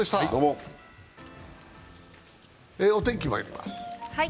お天気まいります。